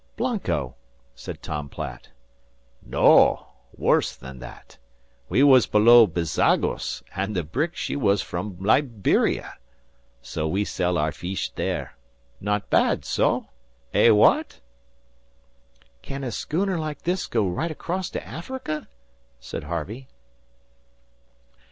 "Blanco," said Tom Platt. "No. Worse than that. We was below Bezagos, and the brick she was from Liberia! So we sell our feesh there! Not bad, so? Eh, wha at?" "Can a schooner like this go right across to Africa?" said Harvey.